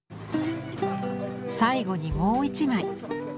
最後にもう一枚。